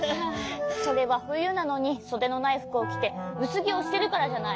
それはふゆなのにそでのないふくをきてうすぎをしてるからじゃない。